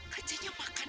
kerjanya hanya makan